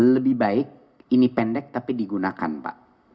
lebih baik ini pendek tapi digunakan pak